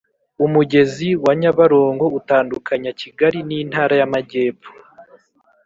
umugezi wanyabarongo utandukanya kigali ni ntara yamajyepfo